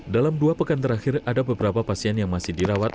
dalam dua pekan terakhir ada beberapa pasien yang masih dirawat